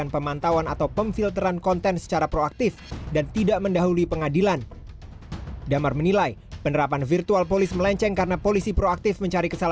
pemantauan massal itu begini